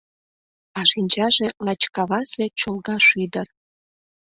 А шинчаже лач кавасе чолга шӱдыр.